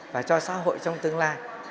và cho xã hội trong tương lai